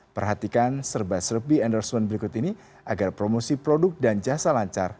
perhatikan serba serbi endorsement berikut ini agar promosi produk dan jasa lancar